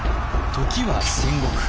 時は戦国。